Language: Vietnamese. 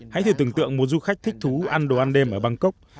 hãy thể tưởng tượng một du khách thích thú ăn đồ ăn đêm ở bangkok